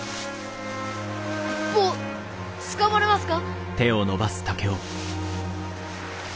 坊つかまれますか？